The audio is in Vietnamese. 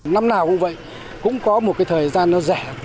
năm nào cũng vậy cũng có một thời gian rẻ